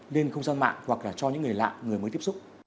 lên không gian mạng hoặc là cho những người lạ người mới tiếp xúc